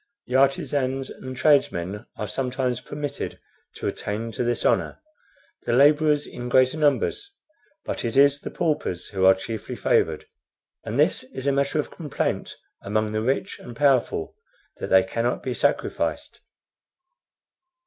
The artisans and tradesmen are sometimes permitted to attain to this honor; the laborers in greater numbers; but it is the paupers who are chiefly favored. And this is a matter of complaint among the rich and powerful, that they cannot be sacrificed."